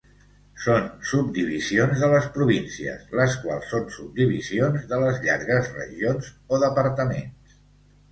Són subdivisions de les províncies, les quals són subdivisions de les llargues regions o departaments.